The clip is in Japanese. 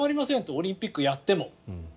オリンピックをやっても。